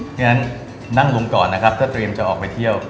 อย่างนั้นนั่งลงก่อนนะครับถ้าเตรียมจะออกไปเที่ยว